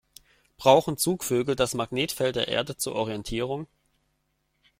Brauchen Zugvögel das Magnetfeld der Erde zur Orientierung?